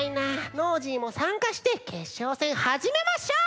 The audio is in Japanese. ノージーもさんかしてけっしょうせんはじめましょう！